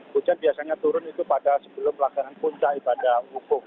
hujan biasanya turun itu pada sebelum pelaksanaan puncak ibadah wukuf